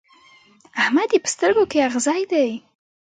احمد يې په سترګو کې اغزی دی.